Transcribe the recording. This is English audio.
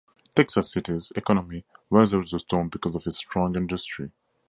Texas City's economy weathered the storm because of its strong industry.